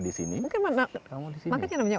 di sini mungkin makanya namanya